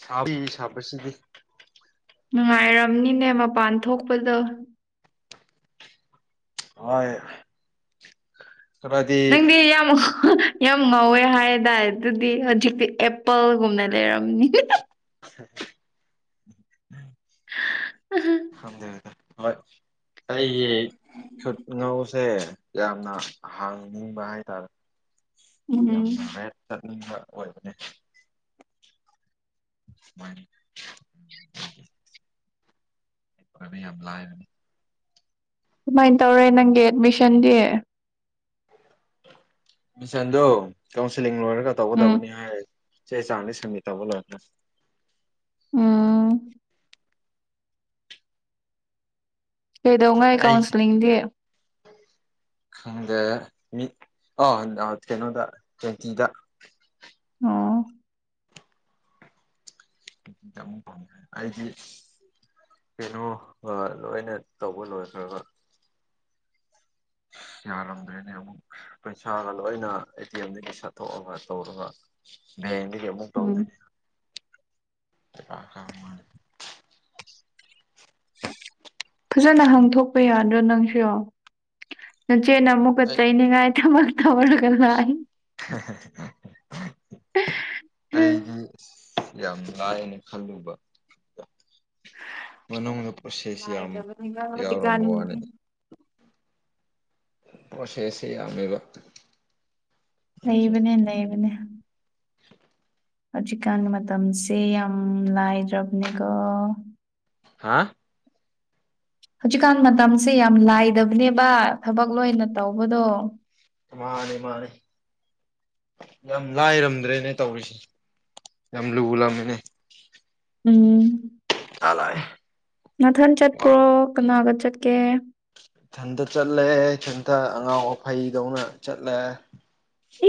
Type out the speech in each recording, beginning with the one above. ꯁꯥꯕꯩ ꯁꯥꯕꯁꯤꯗꯤ ꯅꯨꯡꯉꯥꯏꯔꯝꯅꯤꯅꯦ ꯃꯄꯥꯟ ꯊꯣꯛꯄꯗꯣ ꯍꯣꯏ ꯈꯔꯗꯤ ꯅꯪꯗꯤ ꯌꯥꯝꯃꯣ ꯌꯥꯝ ꯉꯧꯋꯦ ꯍꯥꯏꯗꯥꯏ ꯑꯗꯨꯗꯤ ꯍꯧꯖꯤꯛꯇꯤ ꯑꯦꯄꯜꯒꯨꯝꯅ ꯂꯩꯔꯝꯅꯤ ꯍꯦ ꯍꯦ ꯍꯦ ꯎꯝ [inaudible] ꯎꯝ ꯍꯨꯝ ꯈꯪꯗꯔ꯭ꯦꯗꯥ ꯍꯣꯏ ꯑꯩ ꯈꯨꯉꯧ ꯁꯦ ꯌꯥꯝꯅ ꯍꯥꯡꯅꯤꯡꯕ ꯍꯥꯏꯇꯥꯔꯦ ꯎꯝ ꯌꯥꯝꯅ ꯍꯦ ꯎꯝ ꯍꯣꯏ ꯑꯣꯏꯕꯅꯦ ꯃꯥꯅꯤ ꯍꯥꯟꯅꯥ ꯌꯥꯝ ꯂꯥꯏꯔꯝꯃꯦ ꯀꯃꯥꯏꯅꯥ ꯇꯧꯔꯦ ꯅꯪꯒꯤ ꯑꯦꯗꯃꯤꯁꯟꯗꯤ ꯃꯤꯁꯟꯗꯨ ꯀꯥꯎꯟꯁꯤꯂꯤꯡ ꯂꯣꯏꯔꯒ ꯎꯝ ꯇꯧꯒꯗꯕꯅꯤ ꯍꯥꯏ ꯆ ꯆꯅꯤ ꯁꯃꯤꯇꯥꯕꯨꯣꯑꯣꯅ ꯎꯝ ꯀꯩꯗꯧꯉꯥꯏ ꯑꯩ ꯀꯥꯎꯟꯁꯤꯂꯤꯡꯗꯤ ꯈꯪꯗꯦ ꯃꯤ ꯑ ꯀꯩꯅꯣꯗ ꯇ꯭ꯋꯦꯟꯇꯤꯗ ꯑꯣ ꯃꯨꯛ ꯐꯥꯎ ꯑꯩꯗꯤ ꯀꯩꯅꯣ ꯂꯣꯏꯅ ꯇꯧꯕ ꯂꯣꯏꯈ꯭ꯔꯕ ꯌꯥꯔꯝꯗ꯭ꯔꯦꯅꯦ ꯑꯃꯨꯛ ꯄꯩꯁꯥꯒ ꯂꯣꯏꯅ ꯑꯦ ꯇꯤ ꯑꯦꯝꯗꯒꯤ ꯁꯇꯣꯛꯑꯒ ꯇꯧꯔꯒ ꯍꯥꯌꯦꯡꯗꯒꯤ ꯑꯃꯨꯛ ꯎꯝ ꯇꯧꯒꯅꯤ ꯈꯪꯗꯦ ꯐꯖꯅ ꯍꯥꯡꯊꯣꯛꯄ ꯌꯥꯗ꯭ꯔꯣ ꯅꯪꯁꯨ ꯅꯆꯦ ꯅ ꯑꯃꯨꯛꯀꯥ ꯑꯩ ꯆꯥꯏꯅꯤꯡꯥꯏ ꯊꯕꯛ ꯇꯧꯋꯦꯍꯥꯏꯗꯅ ꯍꯦꯍꯦ ꯍꯦ ꯍꯦ ꯍꯦ ꯑꯩꯗꯤ ꯌꯥꯝ ꯂꯥꯏꯌꯦꯅ ꯈꯜꯂꯨꯕ ꯃꯅꯨꯡꯗ ꯄ꯭ꯔꯣꯁꯦꯁ ꯌꯥꯝ ꯂꯥꯏꯗꯕꯅꯤꯅ ꯍꯧꯖꯤꯛꯀꯥꯟ ꯌꯥꯎꯔꯝꯕ ꯋꯥꯅꯤꯗꯥ ꯄꯣ ꯆꯩꯦꯁꯌꯥꯃꯤꯕ ꯂꯩꯕꯅꯦ ꯂꯩꯕꯅꯦ ꯍꯂ ꯍꯧꯖꯤꯛꯀꯥꯟꯒꯤ ꯃꯇꯝꯁꯦ ꯌꯥꯝ ꯂꯥꯏꯗ꯭ꯔꯕꯅꯦꯀꯣ ꯍꯥ ꯍꯧꯖꯤꯛꯀꯥꯟ ꯃꯇꯝꯁꯦ ꯌꯥꯝ ꯂꯥꯏꯗꯕꯅꯦꯕ ꯊꯕꯛ ꯂꯣꯏꯅ ꯇꯧꯕꯗꯣ ꯃꯥꯅꯦ ꯃꯥꯅꯦ ꯌꯥꯝ ꯂꯥꯏꯔꯝꯗ꯭ꯔꯦꯅꯦ ꯇꯧꯔꯤꯁꯦ ꯌꯥꯝ ꯂꯨꯂꯝꯃꯤꯅꯦ ꯎꯝ [unintelligible] ꯃꯊꯟ ꯆꯠꯄ꯭ꯔꯣ ꯀꯅꯥꯒ ꯆꯠꯀꯦ ꯏꯊꯟꯇ ꯆꯠꯂꯦ ꯏꯊꯟꯇ ꯑꯉꯥꯎ ꯑꯐꯩꯗꯧꯅ ꯆꯠꯂꯦ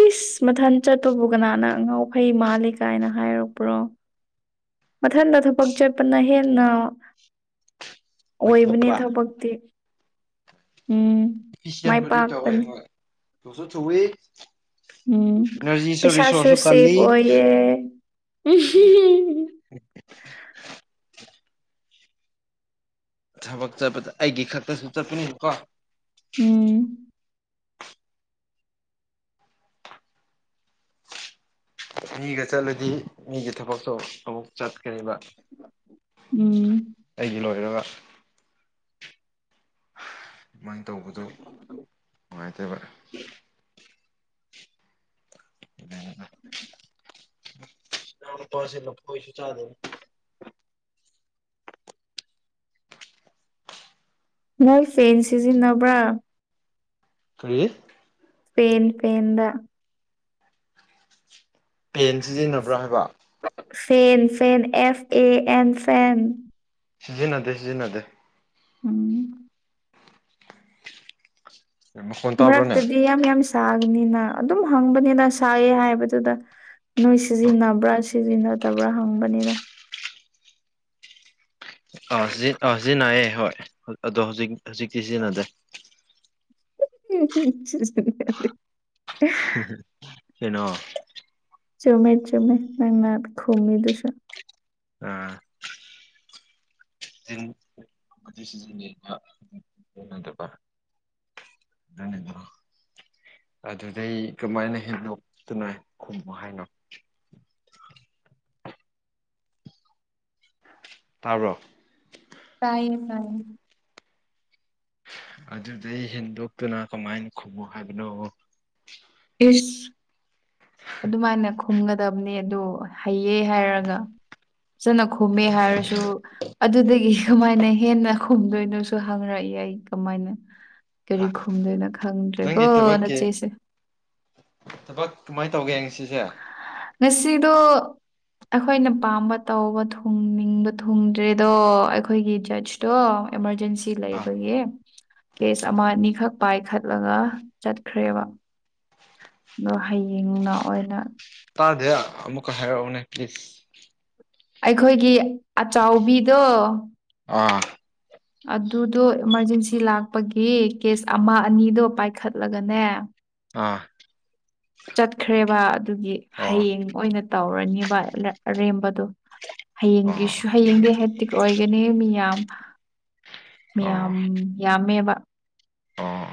ꯏꯁ ꯃꯊꯟ ꯆꯠꯄꯕꯨ ꯀꯅꯥꯅ ꯉ ꯉꯥꯎ ꯐꯩ ꯃꯥꯜꯂꯤ ꯀꯥꯏꯅ ꯍꯥꯏꯔꯛꯄ꯭ꯔꯣ ꯃꯊꯟꯇ ꯊꯕꯛ ꯆꯠꯄꯅ ꯍꯦꯟꯅ ꯑꯣꯏꯕꯅꯦ ꯀꯣꯏꯊꯣꯛꯄ ꯊꯄꯗꯤꯤ ꯎꯝ ꯃꯥꯏ ꯄꯥꯛꯄꯅꯤ ꯊꯣ ꯁꯣ ꯆꯧꯋ ꯎꯝ ꯄꯩꯁꯥꯁꯨ ꯀꯜꯂꯤ ꯁꯦꯐ ꯑꯣꯏꯌꯦ ꯎ ꯊꯕꯛ ꯆꯠꯄꯗ ꯑꯩꯒꯤ ꯈꯛꯇꯁꯨ ꯆꯠꯄꯅꯦ ꯀꯣ ꯎꯝ ꯃꯤꯒ ꯆꯠꯂꯨꯗꯤ ꯃꯤꯒꯤ ꯊꯕꯛꯇꯣ ꯑꯃꯨꯛ ꯆꯠꯀ꯭ꯔꯦꯕ ꯎꯝ ꯑꯩꯗꯤ ꯂꯣꯏꯔꯒ ꯑꯗꯨꯃꯥꯏꯅ ꯇꯧꯕꯗꯣ ꯅꯨꯡꯉꯥꯏꯇꯦꯕ ꯏꯅꯥꯎ ꯎꯝ [inaudible] ꯏꯅꯥꯎ ꯅꯨꯄꯥꯁꯦ ꯂꯐꯣꯢꯁꯦ ꯆꯥꯗꯕ ꯅꯣꯏ ꯐꯦꯟ ꯁꯤꯖꯤꯟꯅꯕ꯭ꯔꯥ ꯀꯔꯤ ꯄꯦꯟ ꯄꯦꯟꯗ ꯄꯦꯟ ꯁꯤꯖꯤꯟꯅꯕ꯭ꯔꯥ ꯍꯥꯏꯕ ꯐꯦꯟ ꯐꯦꯟ ꯑꯦꯐ ꯑꯦ ꯑꯦꯟ ꯐꯦꯟ ꯁꯤꯖꯤꯟꯅꯗꯦ ꯁꯤꯖꯤꯟꯅꯗꯦ ꯎꯝ ꯃꯈꯣꯟ ꯇꯥꯕ꯭ꯔꯥꯅꯦ ꯃꯔꯛꯇꯗꯤ ꯌꯥꯝ ꯌꯥꯝ ꯁꯥꯒꯅꯤꯅ ꯑꯗꯨꯝ ꯍꯪꯕꯅꯤꯗ ꯁꯥꯏꯑꯦ ꯍꯥꯏꯕꯗꯨꯗ ꯅꯣꯏ ꯁꯤꯖꯤꯟꯅꯕ꯭ꯔꯥ ꯁꯤꯖꯤꯟꯅꯗꯕ꯭ꯔꯥ ꯍꯪꯕꯅꯤꯅ ꯑꯥ ꯁꯤ ꯑꯥ ꯁꯤꯖꯤꯟꯅꯩꯌꯦ ꯍꯣꯏ ꯑꯗꯣ ꯍꯧꯖꯤꯛ ꯍꯧꯖꯤꯛꯇꯤ ꯁꯤꯖꯤꯟꯅꯗ꯭ꯔꯦ [inaudible] [unintelligible] ꯀꯩꯅꯣ ꯆꯃꯦ ꯆꯃꯦ ꯅꯪꯅꯥ ꯈꯨꯝꯃꯤꯗꯨꯁꯨ ꯑꯥ ꯑꯃꯗꯤ ꯁꯤꯖꯤꯟꯅꯒꯦꯅꯗꯕ [unintelligible] ꯅꯤ [inaudible] ꯑꯗꯨꯗꯩ ꯀꯃꯥꯏꯅ ꯍꯦꯟꯗꯣꯛꯇꯅ ꯈꯨꯝꯃꯨ ꯍꯥꯏꯅꯣ ꯇꯥꯕ꯭ꯔꯣ ꯇꯥꯏꯌꯦ ꯇꯥꯏ ꯑꯗꯨꯗꯩ ꯍꯦꯟꯗꯣꯛꯇꯨꯅ ꯀꯃꯥꯏꯅ ꯈꯨꯝꯃꯨ ꯍꯥꯏꯕꯅꯣ ꯏꯁ ꯑꯗꯨꯃꯥꯏꯅ ꯈꯨꯝꯒꯗꯕꯅꯦ ꯑꯗꯨ ꯍꯩꯌꯦ ꯍꯥꯏꯔꯒ ꯐꯖꯅ ꯈꯨꯝꯃꯦ ꯍꯥꯏꯅꯤ ꯍꯥꯏꯔꯁꯨ ꯑꯗꯨꯗꯒꯤ ꯀꯃꯥꯏꯅ ꯍꯦꯟꯅ ꯈꯨꯝꯗꯣꯏꯅꯣꯁꯨ ꯍꯪꯔꯛꯏ ꯑꯩ ꯀꯃꯥꯏꯅ ꯀꯔꯤ ꯈꯨꯝꯗꯣꯏꯅꯣ ꯈꯪꯗ꯭ꯔꯦꯀꯣ ꯅꯪꯒꯤ ꯊꯕꯛꯀꯤ ꯅꯆꯦꯁꯦ ꯊꯕꯛ ꯀꯃꯥꯏꯅ ꯇꯧꯒꯦ ꯉꯁꯤꯁꯦ ꯉꯁꯤꯗꯣ ꯑꯩꯈꯣꯏꯅ ꯄꯥꯝꯕ ꯇꯧꯕ ꯊꯨꯡꯅꯤꯡꯕ ꯊꯨꯡꯗ꯭ꯔꯦꯗꯣ ꯑꯩꯈꯣꯏꯒꯤ ꯖꯁꯇꯣ ꯑꯦꯃꯥꯔꯖꯦꯟꯁꯤ ꯑꯥ ꯂꯩꯕꯒꯤ ꯀꯦꯁ ꯑꯃ ꯑꯅꯤꯈꯛ ꯄꯥꯏꯈꯠꯂꯒ ꯆꯠꯈ꯭ꯔꯦꯕ ꯑꯗꯣ ꯍꯌꯦꯡꯅ ꯂꯛꯑꯣꯏꯅ ꯇꯥꯗꯦ ꯑꯃꯨꯀ ꯍꯥꯏꯔꯛꯑꯨꯅꯦ ꯄ꯭ꯂꯤꯖ ꯑꯩꯈꯣꯏꯒꯤ ꯑꯆꯧꯕꯤꯗꯣ ꯑꯥ ꯑꯗꯨꯗꯣ ꯏꯃꯥꯔꯖꯦꯟꯁꯤ ꯂꯥꯛꯄꯒꯤ ꯀꯦꯁ ꯑꯃ ꯑꯅꯤꯗꯣ ꯄꯥꯏꯈꯠꯂꯒꯅꯦ ꯑꯥ ꯆꯠꯈ꯭ꯔꯦꯕ ꯑꯗꯨꯒꯤ ꯑꯣ ꯍꯌꯦꯡ ꯑꯣꯏꯅ ꯇꯧꯔꯅꯦꯕ ꯑꯔꯦꯝꯕꯗꯣ ꯍꯌꯦꯡꯒꯤꯁꯨ ꯑꯣ ꯍꯌꯦꯡꯗꯤ ꯍꯦꯛꯇꯤꯛ ꯑꯣꯏꯒꯅꯤ ꯃꯤꯌꯥꯝ ꯃꯤꯌꯥꯝ ꯑꯣ ꯌꯥꯝꯃꯦꯕ ꯑꯣ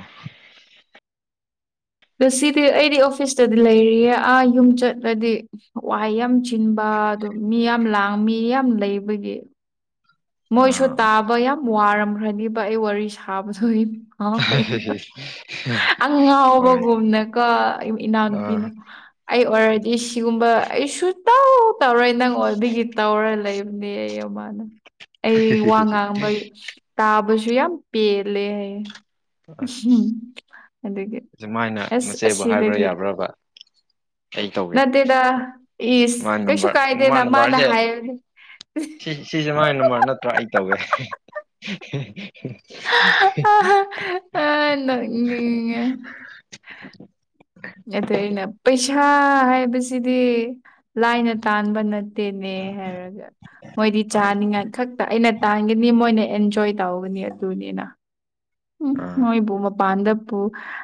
ꯉꯁꯤꯗꯤ ꯑꯩꯗꯤ ꯑꯣꯐꯤꯁꯇꯗꯤ ꯂꯩꯔꯤꯌꯦ ꯑꯥ ꯌꯨꯝ ꯆꯠꯂꯗꯤ ꯋꯥꯍꯩ ꯌꯥꯝ ꯆꯤꯟꯕ ꯑꯗꯨ ꯃꯤ ꯌꯥꯝ ꯂꯥꯡ ꯃꯤ ꯌꯥꯝ ꯂꯩꯕꯒꯤ ꯃꯣꯏꯁꯨ ꯑꯥ ꯇꯥꯕ ꯌꯥꯝ ꯋꯥꯔꯝꯈ꯭ꯔꯅꯦꯕ ꯑꯩ ꯋꯥꯔꯤ ꯁꯥꯕꯗꯣ ꯏꯃꯥꯈꯣꯏꯅ [inaudible] ꯍꯣꯏ ꯑꯉꯥꯎꯕꯒꯨꯝꯅꯀꯣ ꯏꯅꯥꯎꯅꯨꯄꯤꯅ ꯑꯥ ꯑꯩ ꯑꯣꯏꯔꯗꯤ ꯁꯤꯒꯨꯝꯕ ꯑꯩꯁꯨ ꯇꯧ ꯇꯧꯔꯣꯏ ꯅꯪ ꯑꯣꯏꯕꯒꯤ ꯇꯧꯔ ꯂꯩꯕ [unintelligible] ꯑꯩ ꯋꯥ ꯉꯥꯡꯕ ꯇꯥꯕꯁꯨ ꯌꯥꯝ ꯄꯦꯜꯂꯦ ꯍꯥꯏꯌꯦ ꯑꯁ [unintelligible] ꯑꯗꯒꯤ ꯑꯁꯨꯃꯥꯏꯅ ꯑꯁ ꯃꯆꯦꯕꯨ ꯍꯥꯏꯕ꯭ꯔꯥ ꯑꯁꯤꯗꯒꯤ ꯌꯥꯕ꯭ꯔꯕ ꯑꯩ ꯇꯧꯒꯦ ꯅꯠꯇꯦꯗ ꯏꯁ ꯃꯥ ꯀꯩꯁꯨ ꯅꯝꯕꯔ ꯃꯥ ꯀꯥꯏꯗꯦꯅ ꯃꯥꯅ ꯅꯝꯕꯔꯁꯦ ꯍꯥꯏꯕꯅꯦ ꯁꯤ ꯁꯤꯁꯦ ꯃꯥꯥꯏ ꯅꯝꯕꯔ ꯅꯠꯇ꯭ꯔꯥ ꯑꯩ ꯇꯧꯋꯦ [unintelligible] ꯑꯥ ꯅꯣꯛꯅꯤꯡꯉꯦ [inaudible] ꯑꯗꯩ ꯑꯩꯅ ꯄꯩꯁꯥ ꯍꯥꯏꯕꯁꯤꯗꯤ ꯂꯥꯏꯅ ꯇꯥꯟꯕ ꯅꯠꯇꯦꯅꯦ ꯍꯥꯏꯔꯒ ꯃꯣꯏꯗꯤ ꯆꯥꯅꯤꯡꯉꯥꯏ ꯈꯛꯇ ꯑꯩꯅ ꯇꯥꯟꯒꯅꯤ ꯃꯣꯏꯅ ꯑꯦꯟꯖꯣꯏ ꯇꯧꯒꯅꯤ ꯑꯗꯨꯅꯤꯅ ꯎꯝ ꯑꯥ ꯅꯣꯏꯕꯨ ꯃꯄꯥꯟꯗꯕꯨ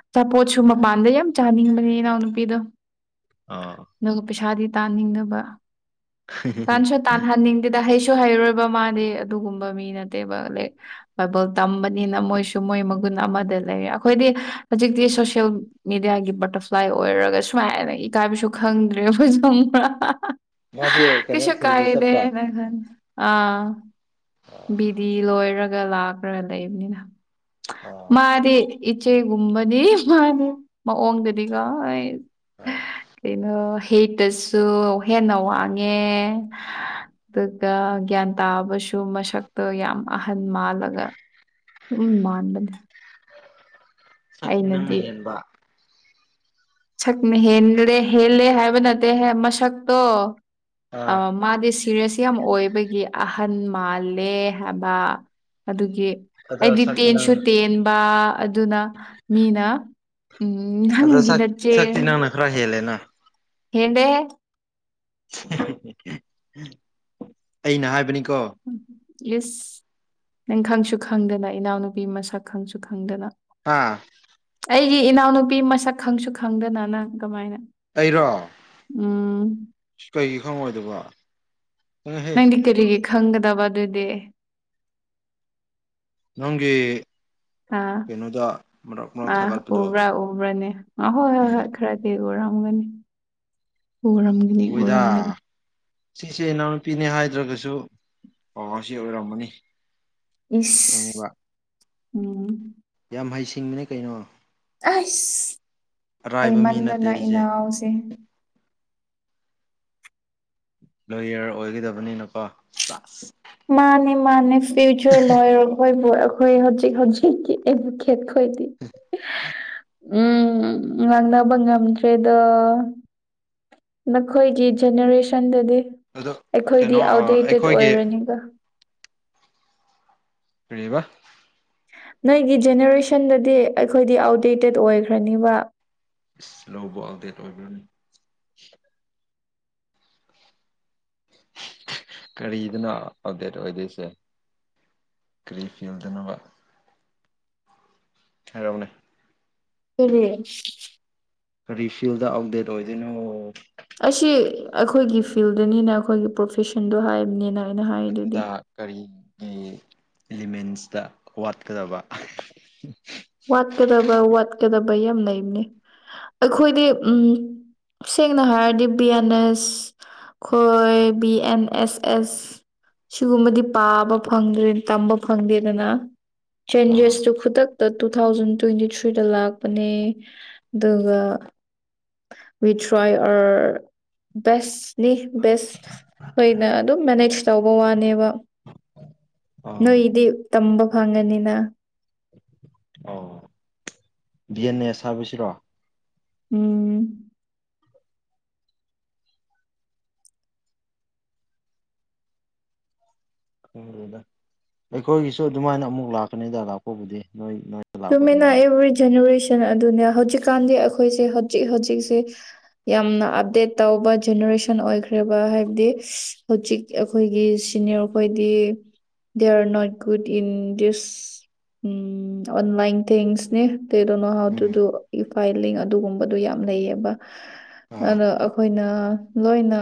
ꯑꯆꯥꯄꯣꯠꯁꯨ ꯃꯄꯥꯟꯗ ꯌꯥꯝ ꯆꯥꯅꯤꯡꯕꯅꯤ ꯏꯅꯥꯎ ꯅꯨꯄꯤꯗꯣ ꯑꯥ ꯅꯪ ꯄꯩꯁꯥꯗꯤ ꯇꯥꯅꯤꯡꯗꯕ ꯇꯥꯟꯁꯨ ꯇꯥꯟꯍꯟꯅꯤꯡꯗꯦꯗ ꯍꯩꯁꯨ ꯍꯩꯔꯣꯏꯕ ꯃꯥꯗꯤ ꯑꯗꯨꯒꯨꯝꯕ ꯃꯤ ꯅꯠꯇꯦꯕ ꯂꯥꯏ ꯕꯥꯏꯕꯜ ꯇꯝꯕꯅꯤꯅ ꯃꯣꯏꯁꯨ ꯃꯣꯏ ꯃꯒꯨꯟ ꯑꯃꯗ ꯂꯩꯔ ꯑꯩꯈꯣꯏꯗꯤ ꯍꯧꯖꯤꯛꯇꯤ ꯁꯣꯁꯦꯜ ꯃꯦꯗꯤꯌꯥꯒꯤ ꯕꯇꯔꯐ꯭ꯂꯥꯏ ꯑꯣꯏꯔꯒ ꯁꯨꯃꯥꯏꯅ ꯏꯀꯥꯏꯕꯁꯨ ꯈꯪꯗ꯭ꯔꯦ [unintelligible] ꯃꯥꯗꯤ ꯀꯩꯅꯣ ꯀꯩꯁꯨ ꯊꯤꯜꯖꯤ ꯆꯠꯄ꯭ꯔꯥ ꯀꯥꯏꯗꯦꯅ ꯈꯥꯟ ꯑꯥ ꯑꯥ ꯕꯤꯗꯤ ꯂꯣꯏꯔꯒ ꯂꯥꯛꯈ꯭ꯔꯒ ꯂꯩꯕꯅꯤꯅ ꯑꯥ ꯃꯥꯗꯤ ꯏꯆꯦꯒꯨꯝꯕꯅꯤ ꯃꯥꯅꯦ ꯃꯑꯣꯡꯗꯨꯗꯤ ꯀꯣ ꯑꯥ ꯀꯩꯅꯣ ꯍꯤꯠꯇꯁꯨ ꯍꯦꯟꯅ ꯋꯥꯡꯉꯦ ꯑꯗꯨꯒ ꯒ꯭ꯌꯥꯟ ꯇꯥꯕꯁꯨ ꯃꯁꯛꯇꯣ ꯌꯥꯝ ꯑꯍꯟ ꯃꯥꯜꯂꯒ ꯑꯗꯨꯝ ꯃꯥꯟꯕꯅꯦ ꯁꯛꯇꯤ ꯅꯪꯅ ꯑꯩꯅꯗꯤ ꯍꯦꯟꯕ ꯁꯛꯅ ꯍꯦꯜꯂꯦ ꯍꯦꯜꯂꯦ ꯍꯥꯏꯕ ꯅꯠꯇꯦ ꯃꯁꯛꯇꯣ ꯑꯝ ꯑꯥ ꯃꯥꯗꯤ ꯁꯤꯔꯤꯌꯁ ꯌꯥꯝ ꯑꯣꯏꯕꯒꯤ ꯑꯍꯟ ꯃꯥꯜꯂꯦ ꯍꯥꯏꯕ ꯑꯗꯨꯒꯤ ꯑꯗꯣ ꯑꯩꯗꯤ ꯁꯛꯇꯤ ꯇꯦꯟꯁꯨ ꯅꯪꯅ ꯇꯦꯟꯕ ꯑꯗꯨꯅ ꯃꯤꯅ ꯎꯝ ꯑꯗꯣ ꯅꯪꯒꯤ ꯁꯛ ꯅꯆꯦ ꯁꯛꯇꯤ ꯅꯪꯅ ꯈꯔ ꯍꯦꯜꯂꯦꯅ ꯍꯦꯟꯗꯦꯍꯦ ꯑꯩꯅ ꯍꯥꯏꯕꯅꯤꯀꯣ ꯎꯝ ꯏꯁ ꯅꯪ ꯈꯪꯁꯨ ꯈꯪꯗꯅ ꯏꯅꯥꯎꯅꯨꯄꯤ ꯃꯁꯛ ꯈꯪꯁꯨ ꯈꯪꯗꯅ ꯑꯥ ꯑꯩꯒꯤ ꯏꯅꯥꯎꯅꯨꯄꯤ ꯃꯁꯛ ꯈꯪꯁꯨ ꯈꯪꯗꯅ ꯅꯪ ꯀꯃꯥꯏꯅ ꯑꯩꯔꫭ ꯎꯝ ꯀꯩꯒꯤ ꯈꯪꯉꯣꯏꯗꯨꯕ ꯅꯪꯗꯤ ꯀꯔꯤꯒꯤ ꯈꯪꯒꯗꯕ ꯑꯗꯨꯗꯤ ꯅꯪꯒꯤ ꯑꯥ ꯀꯩꯅꯣꯗ ꯃꯔꯛ ꯃꯔꯛ ꯑ ꯊꯥꯒꯠꯄꯗꯣ ꯎꯕ꯭ꯔꯥ ꯎꯕ꯭ꯔꯥꯅꯦ ꯑ ꯍꯣꯏ ꯍꯣꯏ ꯎꯝ ꯍꯣꯏ ꯈꯔꯗꯤ ꯎꯔꯝꯒꯅꯤ ꯎꯔꯝ ꯎꯏꯗꯥ ꯁꯤꯁꯦ ꯏꯅꯥꯎꯅꯨꯄꯤꯅꯦ ꯍꯥꯏꯗ꯭ꯔꯒꯁꯨ ꯑꯥꯁꯤ ꯑꯣꯏꯔꯝꯃꯅꯤ ꯏꯁ ꯈꯪꯉꯦꯕ ꯎꯝ ꯌꯥꯝ ꯍꯩꯁꯤꯡꯕꯅꯦ ꯀꯩꯅꯣ ꯑꯁ ꯑꯔꯥꯏꯕ ꯃꯤ ꯅꯠꯇꯦ ꯍꯩꯃꯟꯗꯅ ꯑꯩꯁꯦ ꯏꯅꯥꯎꯁꯦ ꯂꯣꯌꯔ ꯑꯣꯏꯒꯗꯕꯅꯤꯅꯀꯣ ꯁꯥꯁ ꯃꯥꯅꯦ ꯃꯥꯅꯦ ꯐ꯭ꯌꯨꯆꯔ ꯂꯣꯏꯣꯌꯔ ꯑꯩꯈꯣꯏꯕꯨ ꯑꯩꯈꯣꯏ ꯍꯧꯖꯤꯛ ꯍꯧꯖꯤꯛꯀꯤ ꯑꯩꯕꯨ ꯈꯦꯠꯈꯣ ꯑꯩꯈꯣꯏꯗꯤ ꯎꯝ ꯉꯥꯡꯅꯕ ꯉꯝꯗ꯭ꯔꯦꯗ ꯅꯈꯣꯏꯒꯤ ꯖꯦꯅꯦꯔꯦꯁꯟꯗꯨꯗꯤ ꯑꯗꯣ ꯑꯩꯈꯣꯏꯗꯤ ꯀꯩꯅꯣ ꯑꯥꯎꯠꯗꯦꯇꯦꯠ ꯑꯩꯈꯣꯏꯒꯤ ꯑꯣꯏꯔꯅꯤ ꯑ ꯀꯔꯤꯕ ꯅꯣꯏꯒꯤ ꯖꯦꯅꯦꯔꯦꯁꯟꯗꯨꯗꯤ ꯑꯩꯈꯣꯏꯗꯤ ꯑꯥꯎꯠꯗꯦꯇꯦꯠ ꯑꯣꯏꯈ꯭ꯔꯅꯤꯕ ꯏꯁ ꯂꯧꯕꯨ ꯑꯞꯗꯦꯠ ꯑꯣꯏꯕ꯭ꯔꯅꯦ ꯀꯔꯤꯗꯅꫭ ꯑꯥꯎꯗꯦꯠ ꯑꯣꯏꯗꯣꯏꯁꯦ ꯀꯔꯤ ꯐꯤ ꯌꫭꯟꯗꫭꯏꯅꫭꯕ ꯍꯥꯏꯔꯧꯅꯦ ꯁꯨꯗꯦ ꯑꯩ ꯀꯔꯤ ꯐꯤꯜꯗ ꯑꯥꯎꯗꯦꯠ ꯑꯣꯏꯗꯣꯏꯅꯣ ꯑꯁꯤ ꯑꯩꯈꯣꯏꯒꯤ ꯐꯤꯜꯗꯅꯤꯅ ꯑꯩꯈꯣꯏꯒꯤ ꯄ꯭ꯔꯣꯐꯦꯁꯟꯗꯣ ꯍꯥꯏꯕꯅꯤꯅ ꯑꯩꯅ ꯍꯥꯏꯗꯨꯗꯤ ꯑꯗꯨꯗ ꯀꯔꯤꯒꯤ ꯏꯂꯤꯃꯦꯟꯁꯇ ꯋꯥꯠꯀꯗꯕ ꯋꯥꯠꯀꯗꯕ ꯋꯥꯠꯀꯗꯕ ꯌꯥꯝ ꯂꯩꯕꯅꯦ ꯑꯩꯈꯣꯏꯗꯤ ꯎꯝ ꯁꯦꯡꯅ ꯍꯥꯏꯔꯗꯤ ꯕꯤ ꯌꯥ ꯅꯦꯁ ꯑꯈꯣꯏ ꯕꯤ ꯑꯦꯟ ꯑꯦꯁ ꯑꯦꯁ ꯁꯤꯒꯨꯝꯕꯗꯤ ꯄꯥꯕ ꯐꯪꯗ꯭ꯔꯦ ꯇꯝꯕ ꯐꯪꯗꯦꯗꯅ ꯑꯥ ꯆꯦꯟꯖꯦꯁꯇꯨ ꯈꯨꯗꯛ ꯇꯨ ꯇꯨꯊꯥꯎꯖꯟ ꯇꯨ꯭ꯋꯦꯟꯇꯤ ꯊ꯭ꯔꯤꯗ ꯂꯥꯛꯄꯅꯦ ꯑꯗꯨꯒ ꯋꯤ ꯇ꯭ꯔꯥꯏ ꯑꯔ ꯕꯦꯁ ꯅꯤ ꯕꯦꯁ ꯅꫭꯏꯅ ꯑꯗꯨꯝ ꯃꯦꯅꯦꯖ ꯇꯧꯕ ꯋꯥꯅꯦꯕ ꯑꯥ ꯅꯣꯏꯒꯤꯗꯤ ꯇꯝꯕ ꯐꯪꯉꯅꯤꯅ ꯑꯧ ꯗꯤ ꯑꯦꯟ ꯑꯦꯁ ꯍꯥꯏꯕꯁꯤꯔꯣ ꯎꯝ ꯈꯪꯗꯦꯗ ꯑꯩꯈꯣꯏꯒꯤꯁꯨ ꯑꯗꯨꯃꯥꯏꯅ ꯑꯃꯨꯛ ꯂꯥꯛꯀꯅꯤꯗ ꯂꯥꯛꯄꯕꯨꯗꯤ ꯅꯣꯏ ꯅꯥ ꯆꯨꯝꯃꯤꯅ ꯑꯦꯕ꯭ꯔꯤ ꯖꯦꯅꯦꯔꯦꯁꯟ ꯑꯗꯨꯅꯦ ꯍꯧꯖꯤꯛꯀꯥꯟꯗꯤ ꯑꯩꯈꯣꯏꯁꯦ ꯍꯧꯖꯤꯛ ꯍꯧꯖꯤꯛꯁꯦ ꯌꯥꯝꯅ ꯑꯞꯗꯦꯠ ꯇꯧꯕ ꯖꯦꯅꯔꯦꯁꯟ ꯑꯣꯏꯈ꯭ꯔꯦ ꯄꯔꯕ ꯍꯥꯏꯕꯗꯤ ꯍꯧꯖꯤꯛ ꯑꯩꯈꯣꯏꯒꯤ ꯁꯤꯅꯤꯌꯔ ꯑꯈꯣꯏꯗꯤ they are not good in this um online ꯊꯤꯡꯁꯅꯦ they don't know how to um do ꯏꯐꯥꯏꯂꯤꯡ ꯑꯗꯨꯒꯨꯝꯕꯗꯣ ꯌꯥꯝ ꯂꯩꯌꯦꯕ ꯑꯥ ꯑꯗꯣ ꯑꯩꯈꯣꯏꯅ ꯂꯣꯏꯅ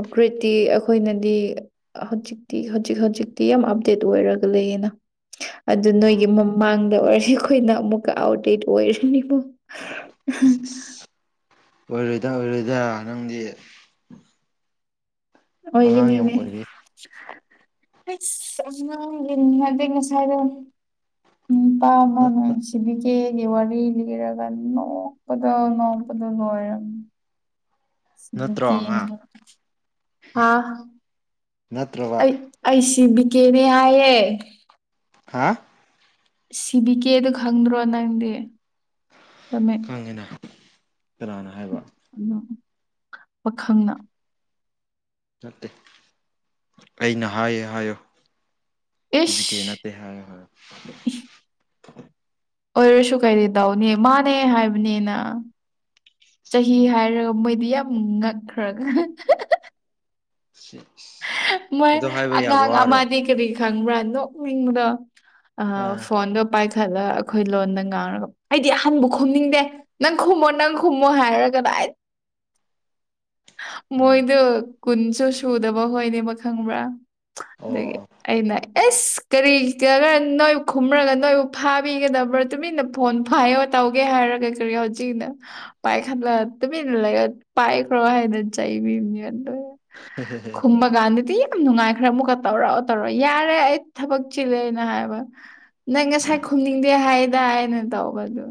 ꯑꯞꯒꯔꯦꯠꯇꯤ ꯑꯩꯈꯣꯏꯅꯗꯤ ꯍꯧꯖꯤꯛꯇꯤ ꯍꯧꯖꯤꯛ ꯍꯧꯖꯤꯛꯇꯤ ꯌꯥꯝ ꯑꯞꯗꯦꯠ ꯑꯣꯏꯔꯒ ꯂꯩꯌꯦꯅ ꯑꯗꯨ ꯑꯥ ꯅꯣꯏꯒꯤ ꯃꯥꯡꯗ ꯑꯣꯏꯔꯗꯤ ꯑꯩꯈꯣꯏꯅ ꯑꯃꯨꯛꯀ ꯑꯥꯎꯠꯦꯠ ꯑꯣꯏꯔꯅꯤꯕꯣ [inaudible] ꯑꯣꯏꯔꯣꯏꯗ ꯑꯣꯏꯔꯣꯏꯗ ꯅꯪꯗꯤ ꯑꯉꯥꯡ ꯌꯥꯝ ꯑꯣꯏꯒꯅꯤꯅꯦ ꯑꯣꯏꯔꯤ [unintelligible] ꯉꯁꯥꯏꯗꯣ ꯎꯝ ꯄꯥꯃꯅꯨꯡꯁꯤꯕꯤ ꯀꯦꯒꯤ ꯋꯥꯔꯤ ꯂꯤꯔꯒ ꯅꯣꯛꯄꯗꯣ ꯅꯣꯛꯄꯗꯣ ꯂꯣꯏꯔꯝꯃꯦ ꯅꯠꯇ꯭ꯔꯣ ꯑꯉꯥꯡ [unintelligible] ꯍꯥꯥ ꯅꯠꯇ꯭ꯔꯕ ꯑꯩ ꯑꯩꯁꯤ ꯕꯤꯀꯦꯅꯦ ꯍꯥꯏꯌꯦ ꯍꯥꯥ ꯁꯤꯕꯤ ꯀꯦꯗꫭ ꯈꯪꯗ꯭ꯔꯣ ꯅꯪꯗꯤ ꯇꯃꯦ ꯈꯪꯉꯤꯅ ꯀꯅꯥꯅ ꯍꯥꯏꯕ ꯑꯗꫭ ꯄꯥꯈꯪꯅ ꯅꯠꯇꯦ ꯑꯩꯅ ꯍꯥꯏꯌꯦ ꯍꯥꯏꯌꯣ ꯏꯕꯤ ꯏꯁ ꯀꯦ ꯅ ꯇꯦ ꯍꯥꯏꯌꯦ ꯍꯥꯏꯌꫭ ꯑꯣꯏꯔꯁꯨ ꯀꯩꯔꯤ ꯇꯧꯅꯤ ꯃꯥꯅꯦ ꯍꯥꯏꯕꯅꯤꯅ ꯆꯍꯤ ꯍꯥꯏꯔꯒ ꯃꯣꯏꯗꯤ ꯌꯥꯝ ꯉꯛꯈ꯭ꯔꯒ ꯁꯤ ꯏꯁ ꯃꯣꯏ ꯑꯉꯥꯡ ꯑꯃꯗꯤ ꯀꯔꯤ ꯈꯪꯕ꯭ꯔꯥ ꯅꯣꯛꯅꯤꯡꯕꯗꫭ ꯑ ꯑꯥ ꯐꯣꯟꯗꯣ ꯄꯥꯏꯈꯠꯂ ꯑꯩꯈꯣꯏ ꯂꯣꯟꯗ ꯉꯥꯡꯔꯒ ꯑꯩꯗꯤ ꯑꯍꯟꯕ ꯈꯨꯝꯅꯤꯡꯗꯦ ꯅꯪ ꯈꯨꯝꯃꯣ ꯅꯪ ꯈꯨꯝꯃꯣ ꯍꯥꯏꯔꯒ [unintelligible] ꯎꯝ ꯃꯣꯏꯗꯨ ꯀꯨꯟꯁꯨ ꯁꯨꯗꯕ ꯍꯣꯏꯅꯦꯕ ꯈꯪꯕ꯭ꯔꯥ ꯑꯣ ꯑꯗꯨꯒꯤ ꯑꯣ ꯑꯩꯅ ꯑꯦꯁ ꯀꯔꯤ [unintelligible] ꯅꯣꯏꯕꯨ ꯈꯨꯝꯔꯒ ꯅꯣꯏꯕꯨ ꯐꯥꯕꯤꯒꯗꯕ꯭ꯔꯥ ꯇꯨꯃꯤꯟꯅ ꯐꯣꯟ ꯐꯥꯏꯌꯣ ꯇꯧꯒꯦ ꯍꯥꯏꯔꯒ ꯀꯔꯤ ꯍꯧꯖꯤꯛꯅ ꯄꯥꯏꯈꯠꯂ ꯇꯨꯃꯤꯟ ꯂꯩ ꯄꯥꯏ ꯈ꯭ꯔꯣ ꯍꯥꯏꯅ ꯆꯩꯕꯤꯝꯅꯦ ꯈꯨꯨꯝꯃꯛ ꯒꯥꯟꯗꯗꯤ ꯌꯥꯝ ꯅꯨꯡꯉꯥꯏꯈ꯭ꯔꯦ ꯑꯃꯨꯛꯀ ꯇꯧꯔꯛꯑꯣ ꯇꯧꯔꯛꯑꯣ ꯌꯥꯔꯦ ꯑꯩ ꯊꯕꯛ ꯆꯤꯜꯂꯦꯅ ꯍꯥꯏꯕ ꯅꯪ ꯉꯁꯥꯏ ꯈꯨꯝꯅꯤꯡꯗꯦ ꯍꯥꯏꯗ ꯑꯩꯅ ꯇꯧꯕꯗꯨ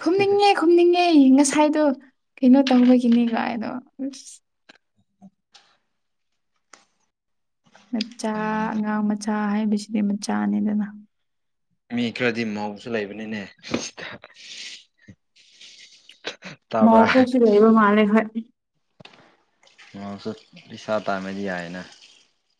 ꯈꯨꯝꯅꯤꯡꯉꯦ ꯈꯨꯝꯅꯤꯡꯉꯦ ꯉꯁꯥꯏꯗꯣ ꯀꯩꯅꯣ ꯇꯧꯕꯒꯤꯅꯦ ꯒꯥꯏꯗꯣ ꯑꯁ ꯃꯆꯥ ꯂꯩꯕꯅꯤꯗ ꯑꯉꯥꯡ ꯃꯆꯥ ꯍꯥꯏꯕꯁꯤꯗꯤ ꯃꯆꯥꯅꯤꯗꯅ ꯃꯤ ꯈꯔꯗꯤ ꯃꯧꯁꯨ ꯂꯩꯕꯅꯤꯅꯦ ꯇꯥꯕꯔꯥ ꯃꯧꯁꯨ ꯄꯩꯁꯥ ꯇꯥꯟꯅꯕ ꯌꯥꯏꯅ